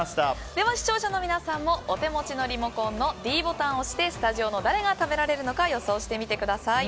では、視聴者の皆さんもお手持ちのリモコンのｄボタンを押してスタジオの誰が食べられるのか予想してみてください。